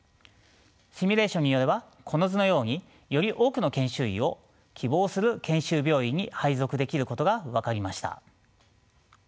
シミュレーションによればこの図のようにより多くの研修医を希望する研修病院に配属できることが分かりました。